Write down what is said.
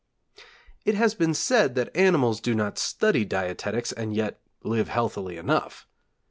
It has been said that animals do not study dietetics and yet live healthily enough.